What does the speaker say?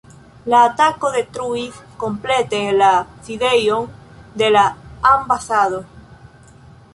La atako detruis komplete la sidejon de la ambasado.